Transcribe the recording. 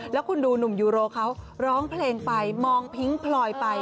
แล้วคุณดูหนุ่มยูโรเขาร้องเพลงไปมองพิ้งพลอยไป